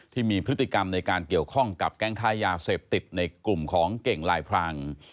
ที่มีพฤติกรรมในการเกี่ยวข้องกับแก๊งค้ายาเสพติดในกลุ่มของเก่งลายพราง